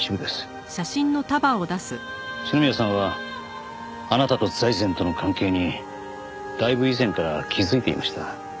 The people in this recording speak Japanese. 篠宮さんはあなたと財前との関係にだいぶ以前から気づいていました。